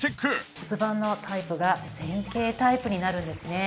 骨盤のタイプが前傾タイプになるんですね。